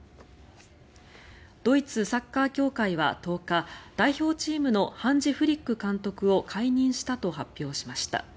ドイツ・サッカー協会は１０日代表チームのハンジ・フリック監督を解任したと発表しました。